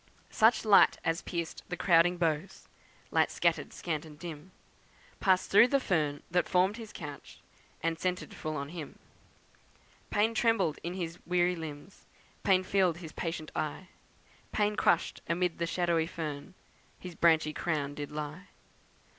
Such light as pierced the crowded boughs (Light scattered, scant and dim,) Passed through the fern that formed his couch And centred full on him. Pain trembled in his weary limbs, Pain filled his patient eye, Pain crushed amid the shadowy fern His branchy crown did lie.